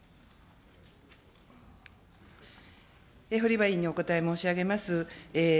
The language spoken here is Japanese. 堀場委員にお答え申し上げます。